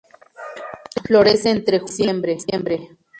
Florece entre julio y diciembre.